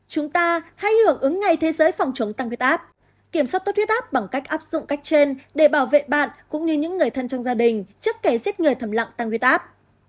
chúng ta hãy hưởng ứng ngày thế giới phòng chống tăng huyết áp kiểm soát tốt huyết áp bằng cách áp dụng cách trên để bảo vệ bạn cũng như những người thân trong gia đình trước kẻ giết người thầm lặng tăng huyết áp